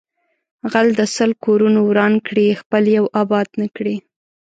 غل د سل کورونه وران کړي خپل یو آباد نکړي